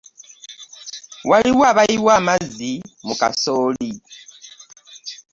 Waliwo abayiwa amazzi mu kasooli .